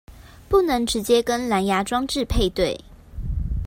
不能直接跟藍芽裝置配對